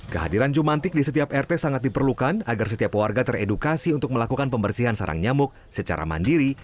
kehadiran jumantik di setiap rt sangat diperlukan agar setiap warga teredukasi untuk melakukan pembersihan sarang nyamuk secara mandiri